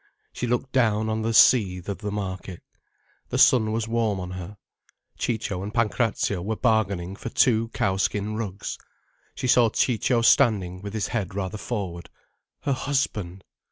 She looked down on the seethe of the market. The sun was warm on her. Ciccio and Pancrazio were bargaining for two cowskin rugs: she saw Ciccio standing with his head rather forward. Her husband!